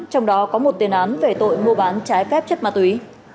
trong đó có một tiền án về tội mua bán trái phép chất ma túy